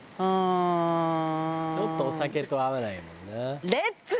「ちょっとお酒と合わないもんな」